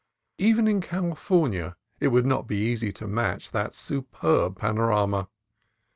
Even in California it would not be easy to match that superb panorama.